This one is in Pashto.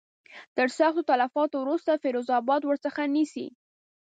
تر سختو تلفاتو وروسته فیروز آباد ورڅخه نیسي.